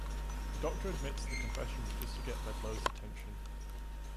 The Doctor admits the confession was just to get Bedloe's attention.